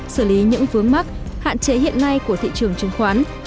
xử lý những vướng mắc hạn chế hiện nay của thị trường chứng khoán